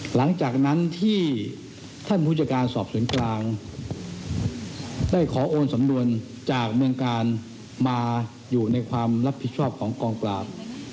หลังจากนั้นที่ท่านผู้จัดการสอบสวนกลางได้ขอโอนสำนวนจากเมืองกาลมาอยู่ในความรับผิดชอบของกองปราบ